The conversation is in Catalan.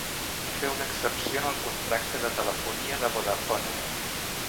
Fer una excepció en el contracte de telefonia de Vodafone.